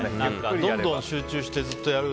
どんどん集中してずっとやる。